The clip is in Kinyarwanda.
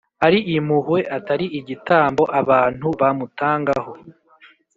ari impuhwe atari igitambo abantu bamutangaho